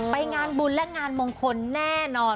งานบุญและงานมงคลแน่นอน